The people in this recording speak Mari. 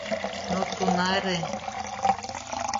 Но тунаре